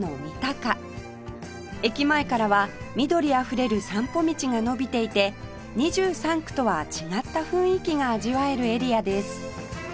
駅前からは緑あふれる散歩道が延びていて２３区とは違った雰囲気が味わえるエリアです